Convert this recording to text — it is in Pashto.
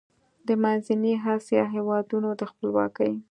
د منځنۍ اسیا هېوادونو د خپلواکۍ